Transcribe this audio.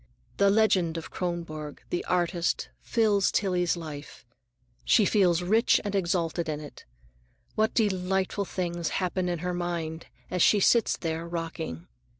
The legend of Kronborg, the artist, fills Tillie's life; she feels rich and exalted in it. What delightful things happen in her mind as she sits there rocking!